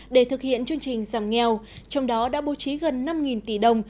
để thực hiện chương trình giảm nghèo trong đó đã bố trí gần năm tỷ đồng